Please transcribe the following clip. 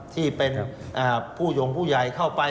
ที่เป็นผู้ยงผู้ใหญ่เข้าไป